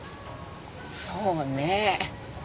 そうねぇ。